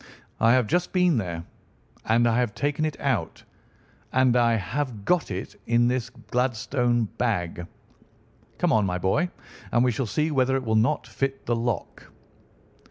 "I have just been there, and I have taken it out, and I have got it in this Gladstone bag. Come on, my boy, and we shall see whether it will not fit the lock."